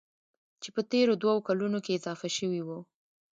چې په تېرو دوو کلونو کې اضافه شوي وو.